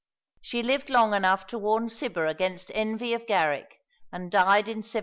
She lived long enough to warn Cibber against envy of Garrick, and died in 1748.